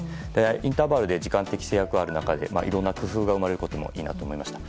インターバルで時間的制約がある中で、いろんな工夫が生まれることもいいなと思いました。